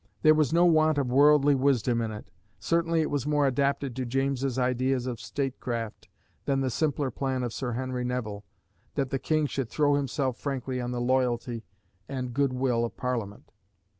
There was no want of worldly wisdom in it; certainly it was more adapted to James's ideas of state craft than the simpler plan of Sir Henry Nevill, that the King should throw himself frankly on the loyalty and good will of Parliament.